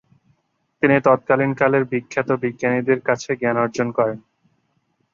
তিনি তৎকালীন কালের বিখ্যাত বিজ্ঞানীদের কাছে জ্ঞান অর্জন করেন।